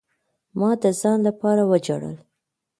ما د ځان د پاره وجړل.